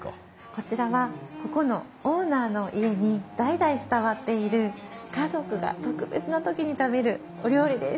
こちらはここのオーナーの家に代々伝わっている家族が特別な時に食べるお料理です。